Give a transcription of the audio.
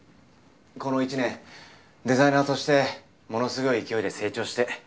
この１年デザイナーとしてものすごい勢いで成長して。